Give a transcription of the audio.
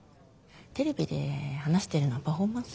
テレビで話してるのはパフォーマンス？